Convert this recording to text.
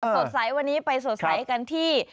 สดใสวันนี้ไปสดใสกันที่